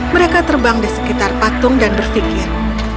mereka terbang di sekitar patung dan berpikir